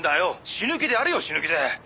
死ぬ気でやれよ死ぬ気で」